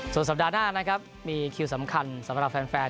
ส่วนสัปดาห์หน้านะครับมีคิวสำคัญสำหรับแฟน